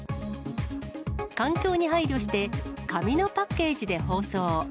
環境に配慮して、紙のパッケージで包装。